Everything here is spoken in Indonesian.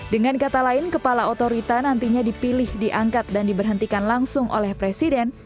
dengan kata lain kepala otorita nantinya dipilih diangkat dan diberhentikan langsung oleh presiden